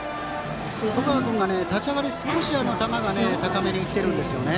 十川君、立ち上がり少し球が高めに行っているんですね。